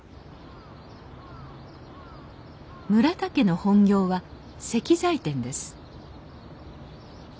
村田家の本業は石材店です